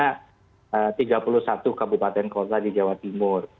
karena tiga puluh satu kabupaten kota di jawa timur